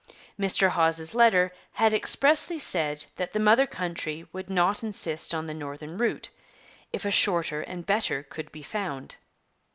Mr Hawes's letter had expressly said that the mother country would not insist on the northern route, if a shorter and better could be found.